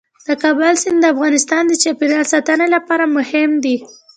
د کابل سیند د افغانستان د چاپیریال ساتنې لپاره مهم دي.